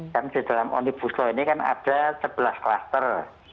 kan di dalam omnibus law ini kan ada sebelas klaster